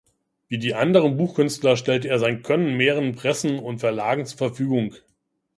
Wie die anderen Buchkünstler, stellte er sein Können mehreren Pressen und Verlagen zur Verfügung.